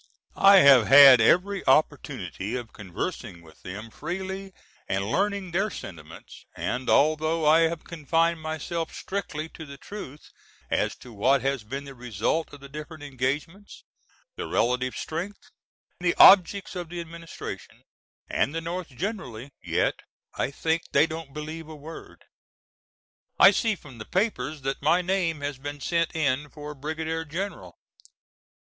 I have had every opportunity of conversing with them freely and learning their sentiments, and although I have confined myself strictly to the truth as to what has been the result of the different engagements, the relative strength, the objects of the Administration, and the North generally, yet I think they don't believe a word. I see from the papers that my name has been sent in for Brigadier General.